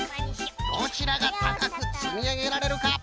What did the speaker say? どちらがたかくつみあげられるか。